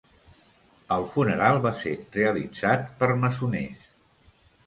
El funeral va ser realitzat per masoners.